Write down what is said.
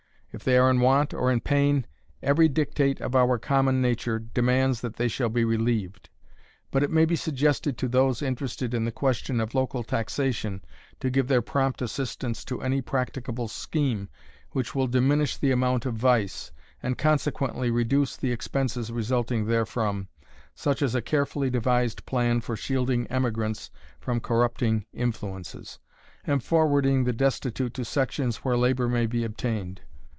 If they are in want or in pain, every dictate of our common nature demands that they shall be relieved. But it may be suggested to those interested in the question of local taxation to give their prompt assistance to any practicable scheme which will diminish the amount of vice, and consequently reduce the expenses resulting therefrom, such as a carefully devised plan for shielding emigrants from corrupting influences, and forwarding the destitute to sections where labor may be obtained.